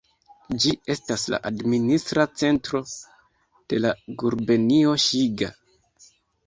Ĝi estas la administra centro de la gubernio Ŝiga.